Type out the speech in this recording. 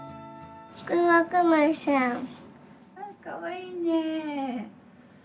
・かわいいね。